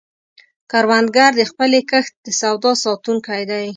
کروندګر د خپل کښت د سواد ساتونکی دی